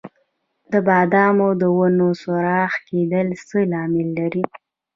د بادامو د ونو سوراخ کیدل څه لامل لري؟